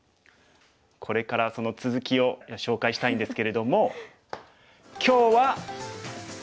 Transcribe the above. これからその続きを紹介したいんですけれども今日はここまでです！